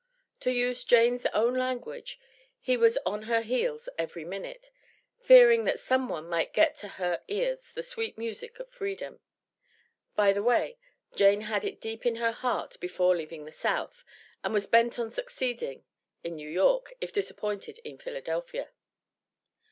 To use Jane's own language, he was "on her heels every minute," fearing that some one might get to her ears the sweet music of freedom. By the way, Jane had it deep in her heart before leaving the South, and was bent on succeeding in New York, if disappointed in Philadelphia.